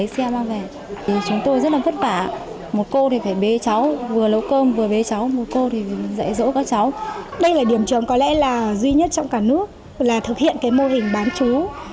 có lẽ là duy nhất trong cả nước là thực hiện mô hình bán chú